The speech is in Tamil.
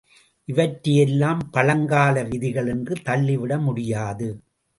இவற்றையெல்லாம் பழங்கால விதிகள் என்று தள்ளிவிட முடியாது.